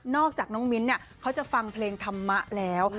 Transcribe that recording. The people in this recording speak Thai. อกจากน้องมิ้นท์เขาจะฟังเพลงธรรมะแล้ว